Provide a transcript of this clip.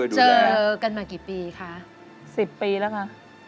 เจอกันมากี่ปีคะ๑๐ปีแล้วคะ